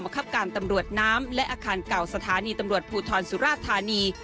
ครับการตำรวจน้ำและอาคารเก่าสถานีตำรวจภูทรสุราธานี